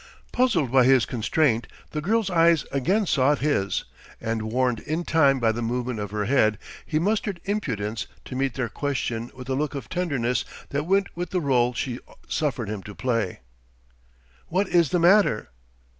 Puzzled by his constraint, the girl's eyes again sought his; and warned in time by the movement of her head, he mustered impudence to meet their question with the look of tenderness that went with the rôle she suffered him to play. "What is the matter?"